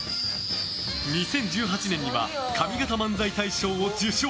２０１８年には上方漫才大賞を受賞。